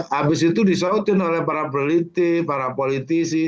habis itu disautin oleh para peneliti para politisi